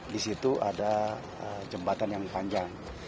disitu ada jembatan yang panjang